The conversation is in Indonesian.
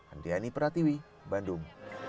andiani pratiwi bandung